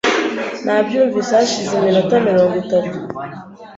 Nabyumvise hashize iminota mirongo itatu.